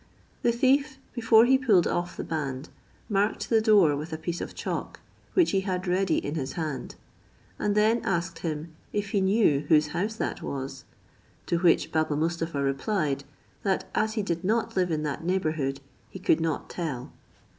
The thief, before he pulled off the band, marked the door with a piece of chalk, which he had ready in his hand; and then asked him if he knew whose house that was? to which Baba Mustapha replied, that as he did not live in that neighbourhood he could not tell.